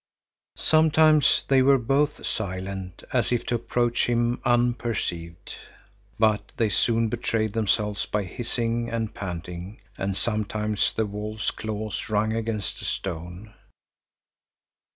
Sometimes they were both silent, as if to approach him unperceived, but they soon betrayed themselves by hissing and panting, and sometimes the wolf's claws rung against a stone.